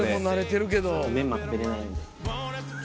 メンマ食べれないんです。